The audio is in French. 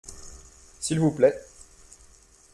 S’il vous plait.